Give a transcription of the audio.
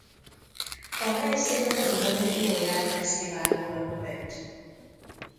A helyszín a londoni Royal Festival Hall volt.